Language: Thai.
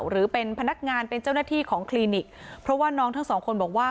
หรือเป็นพนักงานเป็นเจ้าหน้าที่ของคลินิกเพราะว่าน้องทั้งสองคนบอกว่า